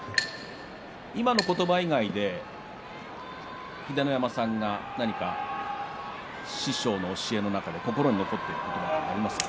今の言葉以外で秀ノ山さんは何か師匠の教えの中で心に残っている言葉はありますか？